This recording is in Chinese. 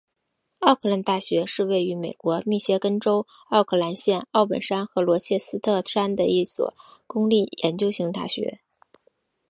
奥克兰大学是位于美国密歇根州奥克兰县奥本山和罗切斯特山的一所公立研究型大学。